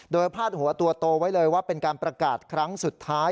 โดยพาดหัวตัวโตไว้เลยว่าเป็นการประกาศครั้งสุดท้าย